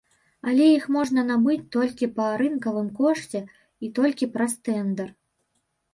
Але іх можна набыць толькі па рынкавым кошце і толькі праз тэндэр.